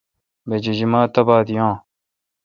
بہ جیجیما تہ بات یاں۔